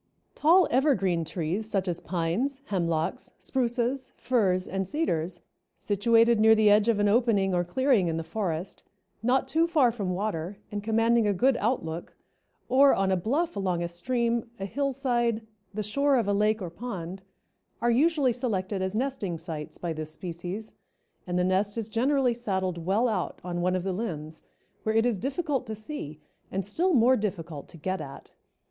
Tall evergreen trees, such as pines, hemlocks, spruces, firs and cedars, situated near the edge of an opening or clearing in the forest, not too far from water and commanding a good outlook, or on a bluff along a stream, a hillside, the shore of a lake or pond, are usually selected as nesting sites by this species, and the nest is generally saddled well out on one of the limbs, where it is difficult to see and still more difficult to get at.